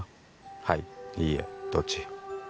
はいいいえどっち？